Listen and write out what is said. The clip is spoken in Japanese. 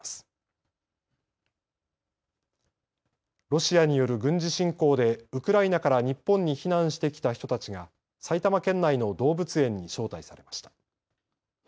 ロシアによる軍事侵攻でウクライナから日本に避難してきた人たちが埼玉県内の動物園に招待されました。